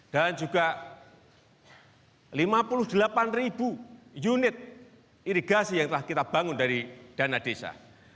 dan juga rp lima puluh delapan unit irigasi yang telah kita bangun dari dana desa